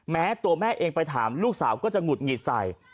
แม้ตัวแม่เองไปถามลูกสาวก็จะหงุดหงิดใส่